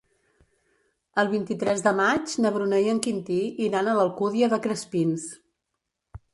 El vint-i-tres de maig na Bruna i en Quintí iran a l'Alcúdia de Crespins.